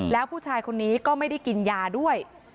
แล้วผู้ชายคนนี้ก็ไม่ได้กินยาด้วย